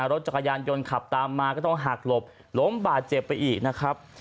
รถจักรยานยนต์ขับตามมาก็ต้องหักหลบล้มบาดเจ็บไปอีกนะครับ